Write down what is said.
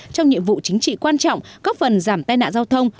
trong nhiệm vụ chính trị quan trọng góp phần giảm tai nạn giao thông